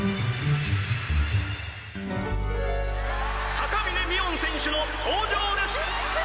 高峰みおん選手の登場です！